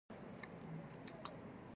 ولاړه شم